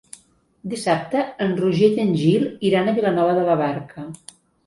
Dissabte en Roger i en Gil iran a Vilanova de la Barca.